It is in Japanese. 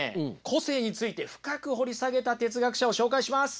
個性について深く掘り下げた哲学者を紹介します。